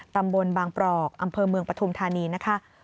ตำบลบางปรอกอำเภอเมืองปฐุมธานีนะคะ